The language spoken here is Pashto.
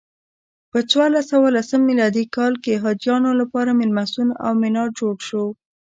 په څوارلس سوه لسم میلادي کال حاجیانو لپاره میلمستون او منار جوړ شو.